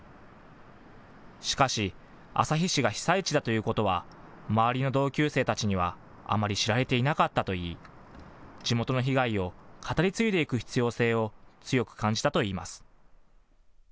しかし、旭市が被災地だということは周りの同級生たちにはあまり知られていなかったといい地元の被害を語り継いでいく必要性を強く感じたといいます。